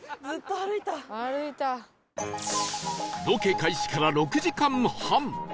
ロケ開始から６時間半